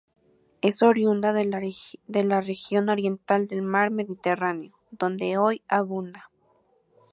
Es oriunda de la región oriental del mar Mediterráneo, donde hoy abunda.